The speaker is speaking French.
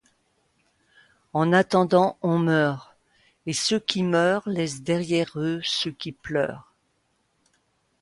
En attendant on meurt, et ceux qui meurent laissent derrière eux ceux qui pleurent.